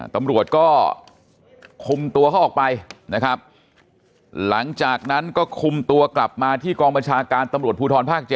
ตำรวจก็คุมตัวเขาออกไปนะครับหลังจากนั้นก็คุมตัวกลับมาที่กองบัญชาการตำรวจภูทรภาค๗